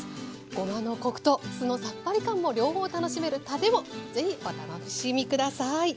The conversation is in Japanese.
ごまのコクと酢のさっぱり感も両方楽しめるたれも是非お楽しみ下さい。